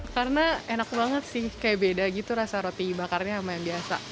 karena enak banget sih kayak beda gitu rasa roti bakarnya sama yang biasa